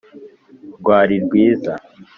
Rwari rwiza